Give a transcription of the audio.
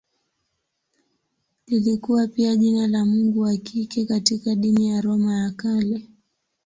Lilikuwa pia jina la mungu wa kike katika dini ya Roma ya Kale.